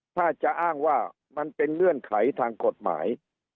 ถ้าจะอ้างว่ามันเป็นเงื่อนไขทางกฎหมาย